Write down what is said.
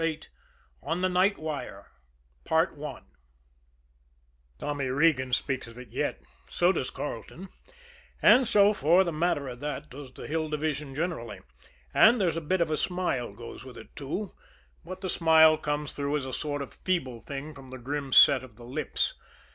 VIII ON THE NIGHT WIRE Tommy Regan speaks of it yet; so does Carleton; and so, for the matter of that, does the Hill Division generally and there's a bit of a smile goes with it, too, but the smile comes through as a sort of feeble thing from the grim set of their lips.